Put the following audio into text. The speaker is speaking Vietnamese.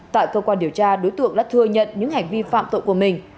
tại cơ quan điều tra đối tượng đã thừa nhận những hành vi phạm tội của mình